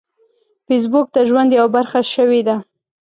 فېسبوک د ژوند یوه برخه شوې ده